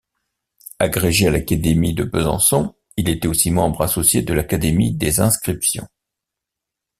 Agrégé à l’académie de Besançon, il était aussi membre associé de l’Académie des inscriptions.